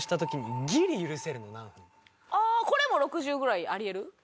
ああこれも６０ぐらいあり得る？